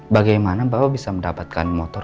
bagaimana bapak bisa mendapatkan motor